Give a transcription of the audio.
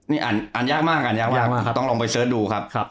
อ่านยากมากต้องลองไปเสิร์ชดูครับ